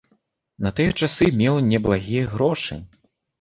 На тыя часы меў неблагія грошы.